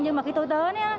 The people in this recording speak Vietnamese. nhưng mà khi tôi tới